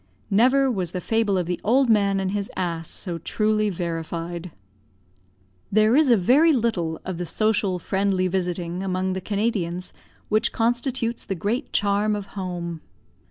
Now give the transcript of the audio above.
Never was the fable of the old man and his ass so truly verified. There is a very little of the social, friendly visiting among the Canadians which constitutes the great charm of home.